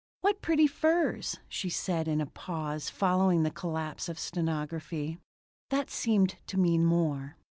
"What pretty furs," she said, in the pause following the collapse of stenography. That seemed to mean more.